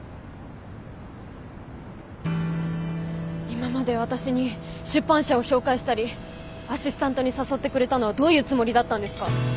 今まで私に出版社を紹介したりアシスタントに誘ってくれたのはどういうつもりだったんですか？